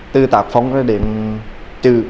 tư tác phong ra điểm trừ